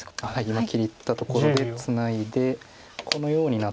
今切ったところでツナいでこのようになって。